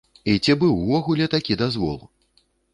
І ці быў увогуле такі дазвол?